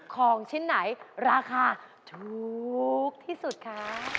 ของชิ้นไหนราคาถูกที่สุดคะ